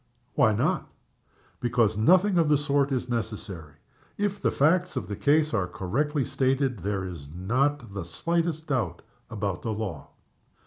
"Why not?" "'Because nothing of the sort is necessary. If the facts of the case are correctly stated there is not the slightest doubt about the law."